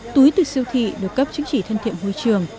túi từ siêu thị được cấp chứng chỉ thân thiện môi trường